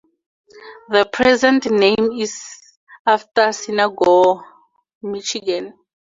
The present name is after Saginaw, Michigan.